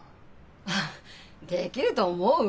あっできると思う？